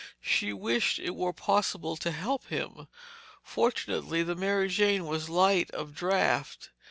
She wished it were possible to help him. Fortunately, the Mary Jane was light of draft.